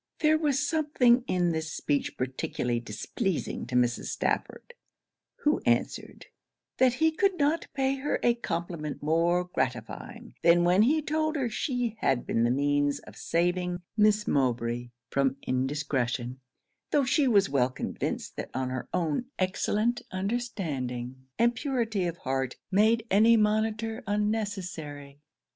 There was something in this speech particularly displeasing to Mrs. Stafford; who answered, 'that he could not pay her a compliment more gratifying, than when he told her she had been the means of saving Miss Mowbray from indiscretion; though she was well convinced, that her own excellent understanding, and purity of heart, made any monitor unnecessary.'